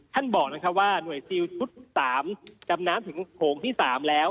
ท่านบอกว่าหน่วยซิลชุด๓ดำน้ำถึงโถงที่๓แล้ว